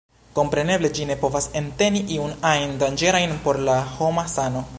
Kompreneble ĝi ne povas enteni iun ajn danĝerajn por la homa sano.